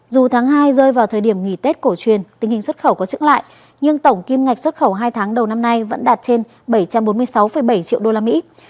dù tháng hai rơi vào thời điểm nghỉ tết cổ truyền tình hình xuất khẩu có chữ lại nhưng tổng kim ngạch xuất khẩu hai tháng đầu năm nay vẫn đạt trên bảy trăm bốn mươi sáu bảy triệu đô la mỹ